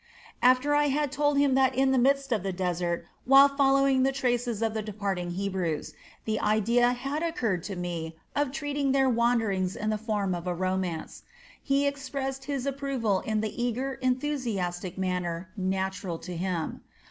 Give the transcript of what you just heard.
After I had told him that in the midst of the desert, while following the traces of the departing Hebrews, the idea had occurred to me of treating their wanderings in the form of a romance, he expressed his approval in the eager, enthusiastic manner natural to him.